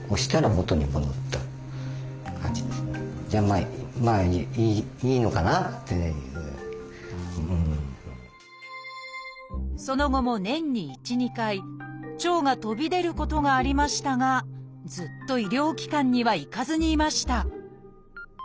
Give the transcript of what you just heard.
和式のその後も年に１２回腸が飛び出ることがありましたがずっと医療機関には行かずにいました。